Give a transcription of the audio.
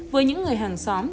với những người hàng xóm